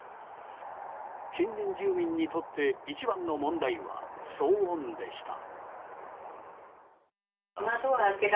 近隣住民にとって一番の問題は騒音でした。